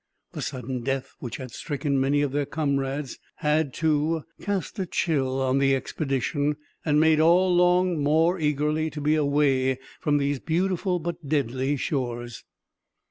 The sudden death which had stricken many of their comrades had, too, cast a chill on the expedition, and made all long more eagerly to be away from those beautiful, but deadly, shores.